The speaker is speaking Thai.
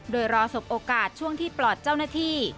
โดยรอสบโอกาสช่วงที่ปลอดเจ้าหน้าที่